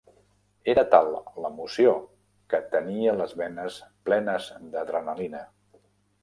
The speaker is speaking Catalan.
Era tal l'emoció que tenia les venes plenes d'adrenalina.